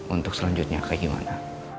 untuk selanjutnya kayak gimana